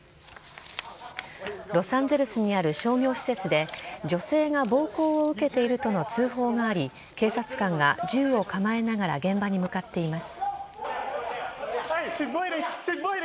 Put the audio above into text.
ロサンゼルスにある商業施設で、女性が暴行を受けているとの通報があり、警察官が銃を構えながら現場に向かっています。